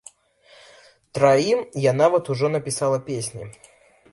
Траім я нават ужо напісала песні.